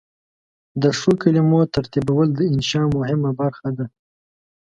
د ښو کلمو ترتیبول د انشأ مهمه برخه ده.